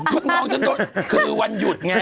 ลูกน้องฉันโดนคือวันหยุดไง